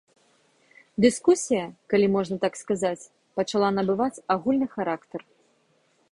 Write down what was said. Дыскусія, калі можна так сказаць, пачала набываць агульны характар.